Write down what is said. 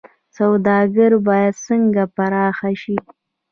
سوداګري باید څنګه پراخه شي؟